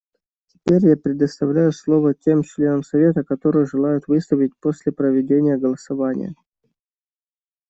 Теперь я предоставлю слово тем членам Совета, которые желают выступить после проведения голосования.